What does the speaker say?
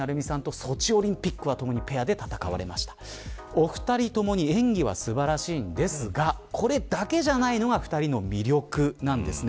お二人ともに演技は素晴らしいんですがこれだけじゃないのが２人の魅力なんですね。